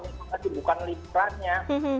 ini bukan listranya